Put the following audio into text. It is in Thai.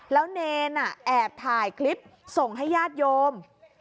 แล้วเนรแอบถ่ายคลิปส่งให้ญาติโยม